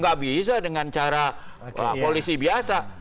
gak bisa dengan cara polisi biasa